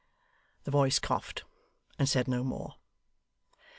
The voice coughed, and said no more.